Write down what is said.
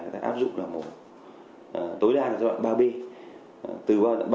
người ta áp dụng là mổ tối đa giai đoạn ba b